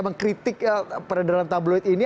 mengkritik pada dalam tabloid ini